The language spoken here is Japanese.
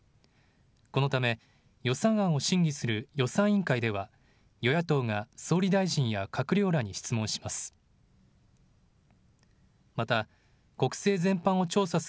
このため予算案を審議する予算委員会では与野党が総理大臣や閣僚らに質問します。